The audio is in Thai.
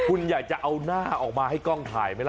คุณอยากจะเอาหน้าออกมาให้กล้องถ่ายไหมล่ะ